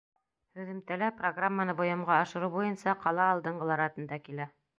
Һөҙөмтәлә программаны бойомға ашырыу буйынса ҡала алдынғылар рәтендә килә.